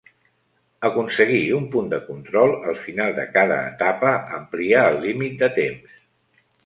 Aconseguir un punt de control al final de cada etapa amplia el límit de temps.